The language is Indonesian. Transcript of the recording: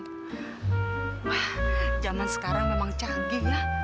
wah zaman sekarang memang canggih ya